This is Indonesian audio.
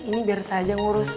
ini biar saja ngurus